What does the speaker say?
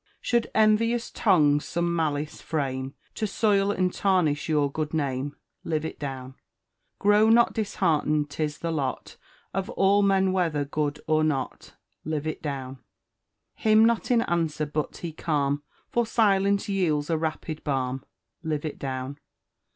Should envious tongues some malice frame, To soil and tarnish your good name, Live it down! Grow not disheartened; 'tis the lot Of all men, whether good or not: Live it down! *Him not in answer, but be calm; For silence yields a rapid balm: Live it down!